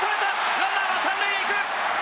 ランナーは３塁へ行く。